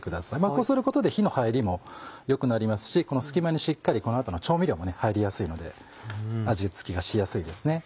こうすることで火の入りも良くなりますしこの隙間にしっかりこの後の調味料も入りやすいので味付けがしやすいです。